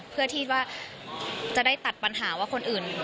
เพื่อที่ว่าจะได้ตัดปัญหาว่าคนอื่น